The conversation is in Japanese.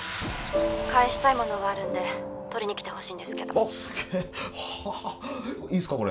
☎返したいものがあるんで取りにきてほしいんですけどはあいいっすかこれ？